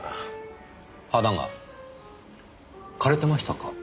花が枯れてましたか？